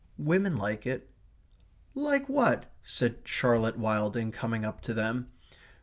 "Women like it." "Like what?" said Charlotte Wilding, coming up to them.